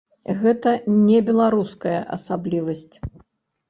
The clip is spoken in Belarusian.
Гэта не беларуская асаблівасць.